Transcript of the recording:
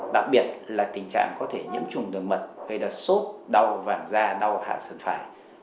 đặc biệt là tình trạng có thể nhiễm trùng đường mật gây ra sốt đau vàng da đau hạ sân phải